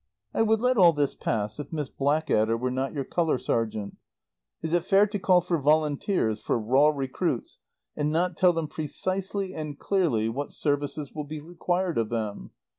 "I would let all this pass if Miss Blackadder were not your colour sergeant. Is it fair to call for volunteers, for raw recruits, and not tell them precisely and clearly what services will be required of them?